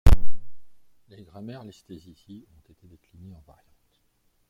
Les grammaires listées ici ont été déclinées en variantes.